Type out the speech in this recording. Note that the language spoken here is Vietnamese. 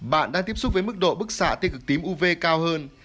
bạn đang tiếp xúc với mức độ bức xạ ti cực tím uv cao hơn